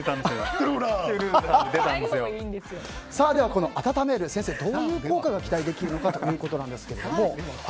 この温める先生、どういう効果が期待できるのかということなんですけども。